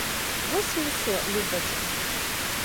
Вось і ўсё, любачка!